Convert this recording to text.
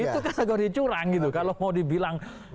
itu kategori curang gitu kalau mau dibilang